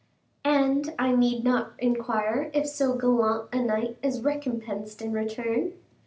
"And I need not inquire if so gallant a knight is recompensed in return?"